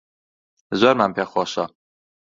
زۆرمان پێخۆشە